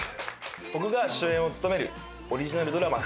僕が主演を務めるオリジナルドラマ